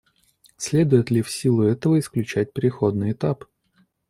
Следует ли в силу этого исключать переходный этап?